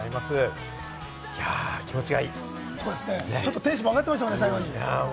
テンションが上がってきましたもんね、最後に。